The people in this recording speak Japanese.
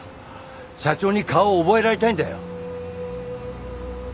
社長に顔を覚えられたいんだよ。